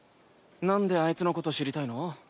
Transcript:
なんであいつのこと知りたいの？